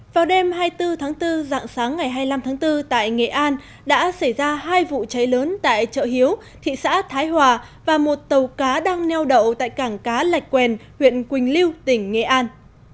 vào đêm hai mươi bốn tháng bốn dạng sáng ngày hai mươi năm tháng bốn tại nghệ an đã xảy ra hai vụ cháy lớn tại chợ hiếu thị xã thái hòa và một tàu cá đang neo đậu tại cảng cá lạch quen huyện quỳnh lưu tỉnh nghệ an